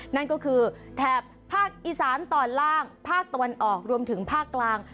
นั่นก็คือแถบภาคอีสานตอนล่างภาคตะวันออกรวมถึงภาคกลาง